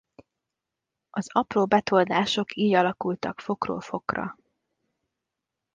Az apró betoldások így alakultak fokról fokra.